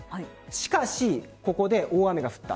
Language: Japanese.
しかし、ここで大雨が降った。